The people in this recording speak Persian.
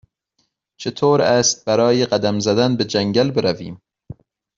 چطور است برای قدم زدن به جنگل برویم؟